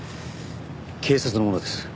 警察の者です。